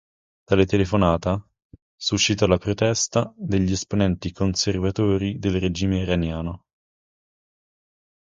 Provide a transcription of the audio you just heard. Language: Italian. Tale telefonata suscitò la protesta degli esponenti conservatori del regime iraniano.